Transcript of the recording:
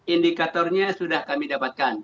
indikatornya sudah kami dapatkan